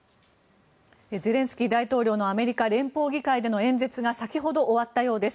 ゼレンスキー大統領のアメリカ連邦議会での演説が先ほど、終わったようです。